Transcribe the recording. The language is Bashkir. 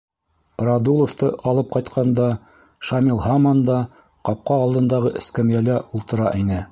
Радуловты алып ҡайтҡанда Шамил һаман да ҡапҡа алдындағы эскәмйәлә ултыра ине.